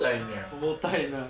重たいね。